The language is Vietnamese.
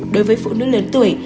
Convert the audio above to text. đối với phụ nữ lớn tuổi